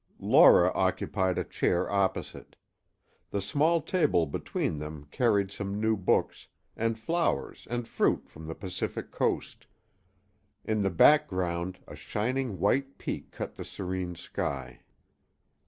Laura occupied a chair opposite; the small table between them carried some new books, and flowers and fruit from the Pacific coast. In the background, a shining white peak cut the serene sky.